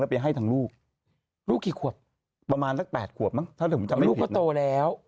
แล้วไปให้ทั้งลูกลูกกี่ขวบประมาณทั้ง๘ขวบมั้งลูกก็โตแล้ว